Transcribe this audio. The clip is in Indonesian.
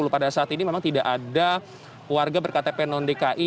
pada saat ini memang tidak ada warga berktp non dki